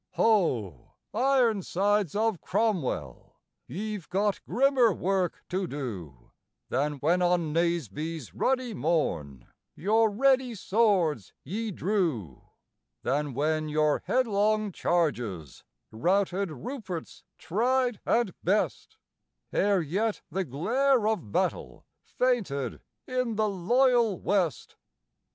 Ho! Ironsides of Cromwell, ye've got grimmer work to do, Than when on Naseby's ruddy morn your ready swords ye drew Than when your headlong charges routed Rupert's tried and best, Ere yet the glare of battle fainted in the loyal West.